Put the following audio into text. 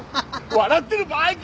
笑ってる場合か！